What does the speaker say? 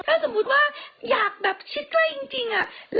ถ้าสมมุติว่าอยากแบบชิดใกล้จริงอะ